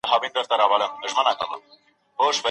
د بدو منع کول د اسلامي اخلاقو اساس دی.